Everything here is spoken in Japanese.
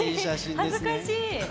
恥ずかしい。